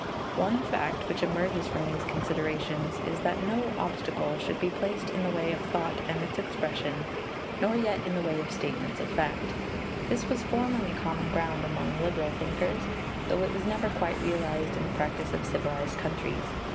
One fact which emerges from these considerations is that no obstacle should be placed in the way of thought and its expression, nor yet in the way of statements of fact. This was formerly common ground among liberal thinkers, though it was never quite realized in the practice of civilized countries.